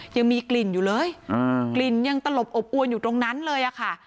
ยังมีกลิ่นอยู่เลยกลิ่นยังตลบอบอวนอยู่ตรงนั้นเลยอะค่ะ